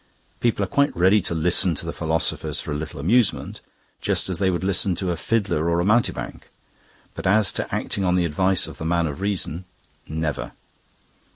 People are quite ready to listen to the philosophers for a little amusement, just as they would listen to a fiddler or a mountebank. But as to acting on the advice of the men of reason never.